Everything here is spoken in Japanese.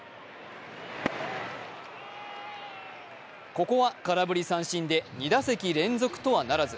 ここは空振り三振で２打席連続とはならず。